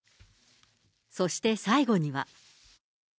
そして最後には。